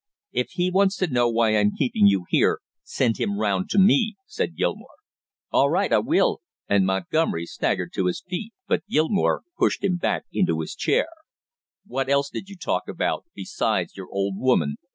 "If he wants to know why I'm keeping you here, send him round to me!" said Gilmore. "All right, I will." And Montgomery staggered to his feet. But Gilmore pushed him back into his chair. "What else did you talk about besides your old woman?"